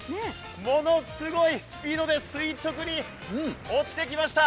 ものすごいスピードで垂直に落ちてきました。